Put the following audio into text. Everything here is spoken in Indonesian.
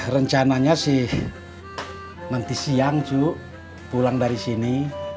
rencananya sih nanti siang cuk pulang dari sini